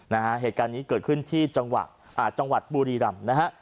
นะฮะเหตุการณ์นี้เกิดขึ้นที่จังหวัดบูรีรำนะฮะ